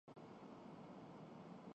ان میں پوری صلاحیت ہوتی ہے